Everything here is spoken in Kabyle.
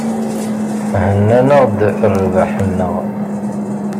Hennan-aɣ-d rrbeḥ-nneɣ.